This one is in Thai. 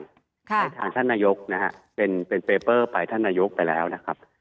ทางท่านนายกนะฮะเป็นเปเปอร์ไปท่านนายกไปแล้วนะครับ